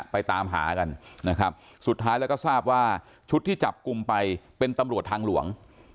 ไปตามหากันนะครับสุดท้ายแล้วก็ทราบว่าชุดที่จับกลุ่มไปเป็นตำรวจทางหลวง